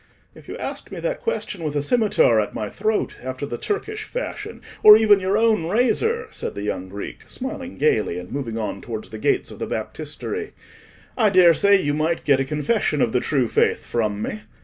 "If you asked me that question with a scimitar at my throat, after the Turkish fashion, or even your own razor," said the young Greek, smiling gaily, and moving on towards the gates of the Baptistery, "I daresay you might get a confession of the true faith from me.